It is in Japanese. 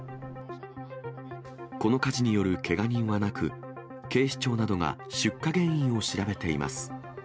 この火事によるけが人はなく、警視庁などが出火原因を調べています。